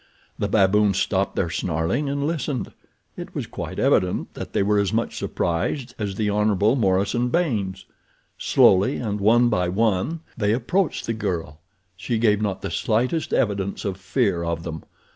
The baboons stopped their snarling and listened. It was quite evident that they were as much surprised as the Hon. Morison Baynes. Slowly and one by one they approached the girl. She gave not the slightest evidence of fear of them.